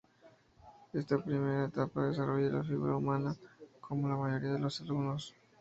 En esta primera etapa desarrolla la figura humana, como la mayoría de los alumnos.